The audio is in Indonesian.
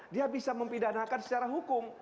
dia bisa mempidanakan secara hukum